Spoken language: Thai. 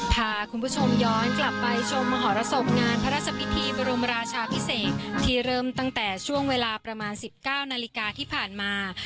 พาคุณผู้ชมย้อนกลับไปชมมหรสบงานพระราชพิธีบรมราชาพิเศษที่เริ่มตั้งแต่ช่วงเวลาประมาณ๑๙นาฬิกาที่ผ่านมา